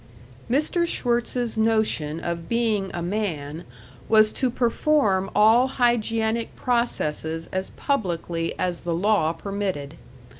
Mr. Schwirtz's notion of being a man was to perform all hygienic processes as publicly as the law permitted.